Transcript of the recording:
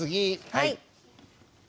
はい。